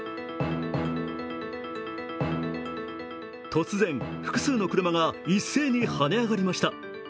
突然、複数の車が一斉に跳ね上がりました。